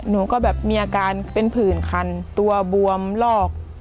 หนูก็แบบมีอาการเป็นผื่นคันตัวบวมลอก